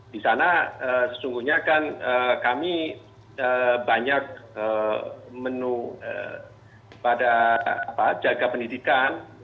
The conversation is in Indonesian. di sana sesungguhnya kan kami banyak menu pada jaga pendidikan